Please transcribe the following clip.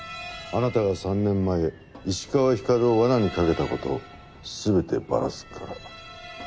あなたが３年前石川光を罠にかけた事全てバラすから」